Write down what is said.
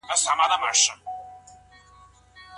حضرت علي د مېلمه لپاره څه سی چمتو کړل؟